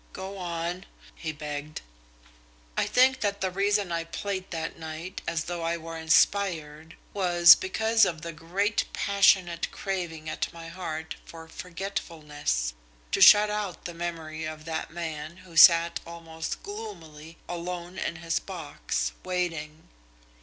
"Go on," he begged. "I think that the reason I played that night as though I were inspired was because of the great passionate craving at my heart for forgetfulness, to shut out the memory of that man who sat almost gloomily alone in his box, waiting.